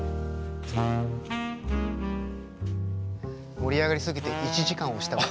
盛り上がりすぎて１時間押したわ。